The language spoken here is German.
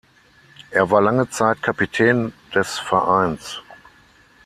Er war lange Zeit Kapitän des Vereins.